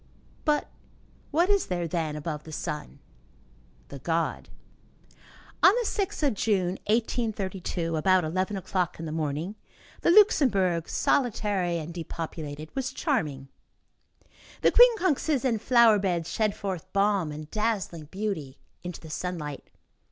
But what is there, then, above the sun? The god. On the 6th of June, 1832, about eleven o'clock in the morning, the Luxembourg, solitary and depopulated, was charming. The quincunxes and flower beds shed forth balm and dazzling beauty into the sunlight.